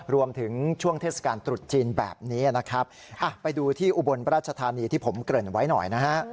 รวมถึงช่วงเทศกาลตรุษจีนแบบนี้นะครับไปดูที่อุบลราชธานีที่ผมเกริ่นไว้หน่อยนะฮะ